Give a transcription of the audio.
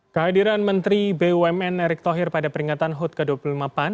kehadiran menteri bumn erick thohir pada peringatan hud ke dua puluh lima pan